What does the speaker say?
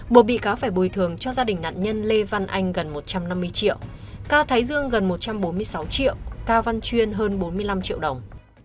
buộc bị cáo phải bồi thường cho gia đình nạn nhân lê văn anh gần một trăm năm mươi triệu cao thái dương gần một trăm bốn mươi sáu triệu cao văn chuyên hơn bốn mươi năm triệu đồng